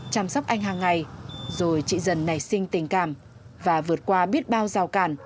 chăm sóc anh hàng ngày rồi chị dần nảy sinh tình cảm và vượt qua biết bao giao cản